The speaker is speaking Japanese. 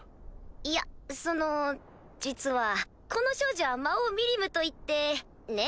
いやその実はこの少女は魔王ミリムといってね？